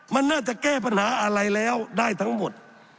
มันน่าจะแก้ปัญหาอะไรแล้วได้ทั้งหมด